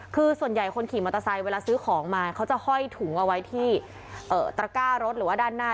คือส่วนใหญ่คนขี่มอเตอร์ไซค์เวลาซื้อของมาเขาจะห้อยถุงเอาไว้ที่ตระก้ารถหรือว่าด้านหน้า